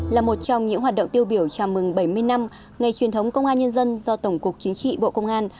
là một trong những hoạt động tiêu biểu chào mừng bảy mươi năm ngày truyền thống công an nhân dân do tổng cục chính trị bộ công an